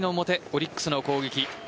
オリックスの攻撃。